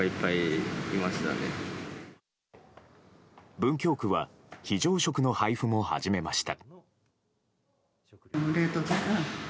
文京区は非常食の配布も始めました。